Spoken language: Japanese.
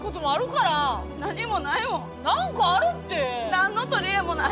何の取り柄もない。